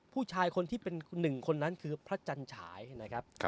ผู้ชายคนที่เป็นหนึ่งคนนั้นคือพระจันฉายนะครับ